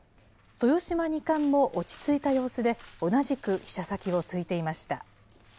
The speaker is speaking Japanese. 豊島二冠も落ち着いた様子で、同じく飛車先を突いていました。